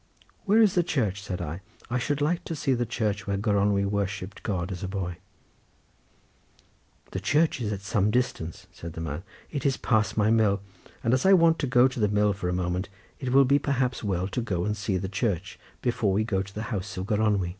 "Where is the church?" said I. "I should like to see the church where Gronwy worshipped God as a boy." "The church is at some distance," said the man; "it is past my mill, and as I want to go to the mill for a moment, it will be perhaps well to go and see the church, before we go to the house of Gronwy."